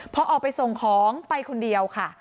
พอออกไปส่งของไปคนเดียวค่ะ